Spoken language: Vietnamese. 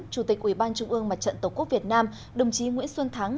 chủ tịch ủy ban trung ương mặt trận tổ quốc việt nam đồng chí nguyễn xuân thắng